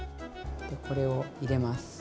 でこれを入れます。